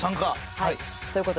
はい。